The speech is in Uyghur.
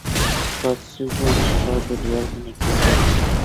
راست سۆزۈڭ شىپادۇر، يالغىنى كېسەل.